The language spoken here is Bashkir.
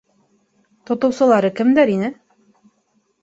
— Тотоусылары кемдәр ине?